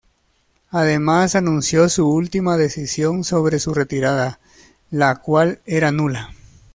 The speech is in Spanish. Además, anunció su última decisión sobre su retirada, la cual era nula.